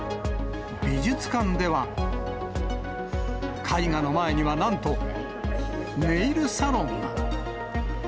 美術館では、絵画の前にはなんとネイルサロンが。